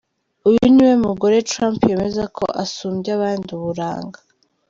Uyu niwe mugore Trump yemeza ko asumbya abandi uburanga.